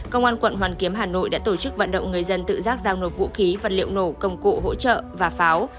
công an quận hoàn kiếm hà nội đã tổ chức vận động người dân tự giác giao nộp vũ khí vật liệu nổ công cụ hỗ trợ và pháo